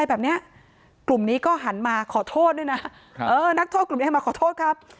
แบบเนี้ยกลุ่มนี้ก็หันมาขอโทษด้วยนะครับเออนักโทษกลุ่มนี้มาขอโทษครับ